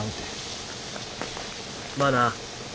まあな。